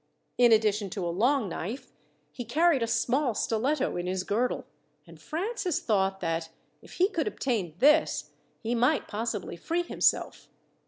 In addition to a long knife, he carried a small stiletto in his girdle, and Francis thought that, if he could obtain this, he might possibly free himself.